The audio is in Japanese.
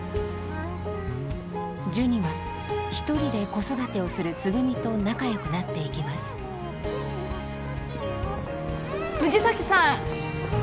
ジュニは一人で子育てをするつぐみと仲よくなっていきます藤崎さん！